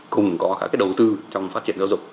cùng có các đầu tư trong phát triển giáo dục